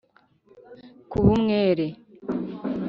kuba umwere.